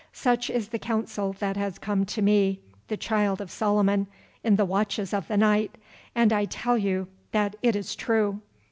Such is the counsel that has come to me, the Child of Solomon, in the watches of the night, and I tell you that it is true.